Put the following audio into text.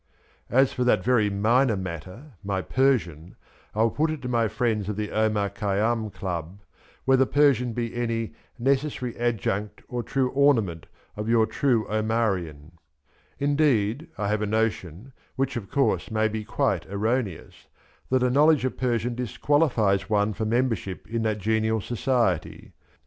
As for that very minor matter ^ my Persian^ I would put it to my friends of the Omar Khayyam Club — whether Persian be any ^necessary adjunct or true ornament* of your true Omarian, In' II ' 1 V JA0 2y AiS ii; ii AIM u deed^ I have a notion^ — whichy of course, may be quite erroneous — that a knowledge of Persian disqualifies one for membership in that genial society.